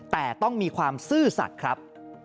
แต่ต้องมีความซื่อสัตว์ครับ